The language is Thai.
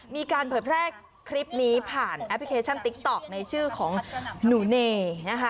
มีการเผยแพร่คลิปนี้ผ่านแอปพลิเคชันติ๊กต๊อกในชื่อของหนูเนนะคะ